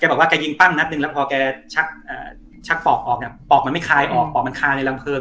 บอกว่าแกยิงปั้งนัดหนึ่งแล้วพอแกชักปอกออกเนี่ยปอกมันไม่คายออกปอกมันคาในลำเพลิง